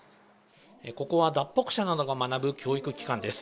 ここは脱北者などが学ぶ教育機関です。